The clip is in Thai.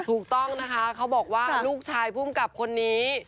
ถูกต้องนะคะเขาบอกว่าลูกชายภูมิกับคนนี้